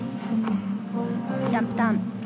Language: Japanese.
ジャンプターン。